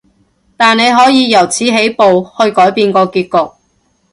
但你可以由此起步，去改變個結局